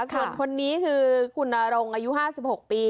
ส่วนคนนี้คือคุณนรงอายุ๕๖ปี